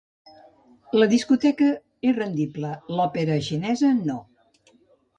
La discoteca és rendible; l'òpera xinesa no.